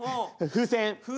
風船？